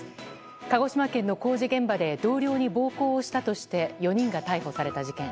鹿児島県の工事現場で同僚に暴行をしたとして４人が逮捕された事件。